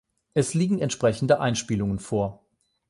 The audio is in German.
Es liegen entsprechende Einspielungen vor.